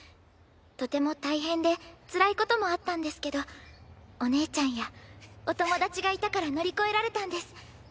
とても大変でつらいこともあったんですけどお姉ちゃんやお友達がいたから乗り越えられたんです。